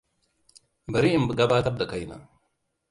Bari in gabatar da kaina.